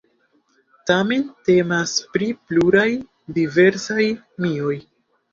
Tamen temas pri pluraj diversaj mioj.